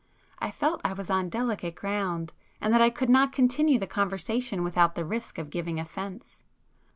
I felt I was on delicate ground, and that I could not continue the conversation without the risk of giving offence.